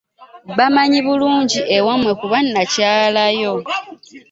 Bammanyi bulungi ewammwe kuba nakyalayo.